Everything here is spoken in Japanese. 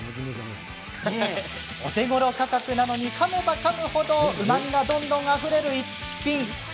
お手ごろ価格なのにかめばかむ程うまみが、どんどんあふれる逸品。